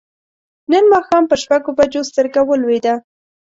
نن ماښام پر شپږو بجو سترګه ولوېده.